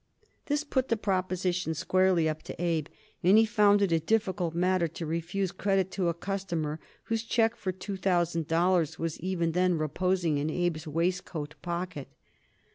This put the proposition squarely up to Abe, and he found it a difficult matter to refuse credit to a customer whose check for two thousand dollars was even then reposing in Abe's waistcoat pocket.